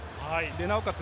なおかつ